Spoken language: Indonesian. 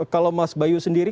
kalau mas bayu sendiri